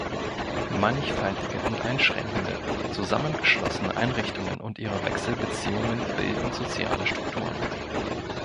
Mannigfaltige und einschränkende, zusammengeschlossene Einrichtungen und ihre Wechselbeziehungen bilden soziale Strukturen.